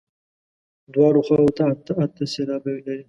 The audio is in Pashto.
دواړو خواوو ته اته اته سېلابه لري.